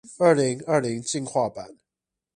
二零二零進化版